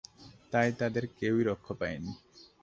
তাই তাদের কেউই রক্ষা পায়নি।